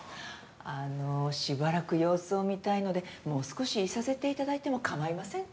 あのしばらく様子を見たいのでもう少しいさせていただいてもかまいませんか？